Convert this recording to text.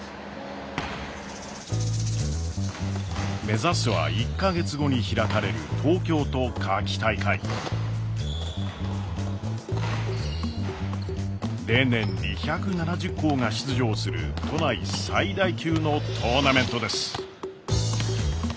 目指すは１か月後に開かれる例年２７０校が出場する都内最大級のトーナメントです。